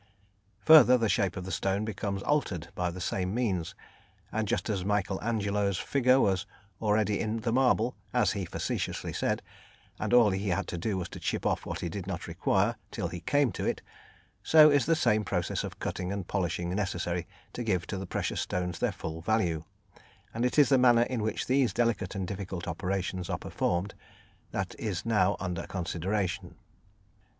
Further, the shape of the stone becomes altered by the same means, and just as Michael Angelo's figure was already in the marble, as he facetiously said, and all he had to do was to chip off what he did not require till he came to it, so is the same process of cutting and polishing necessary to give to the precious stones their full value, and it is the manner in which these delicate and difficult operations are performed that is now under consideration.